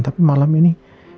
tapi malam ini